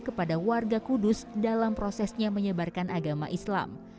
kepada warga kudus dalam prosesnya menyebarkan agama islam